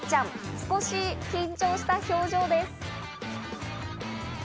少し緊張した表情です。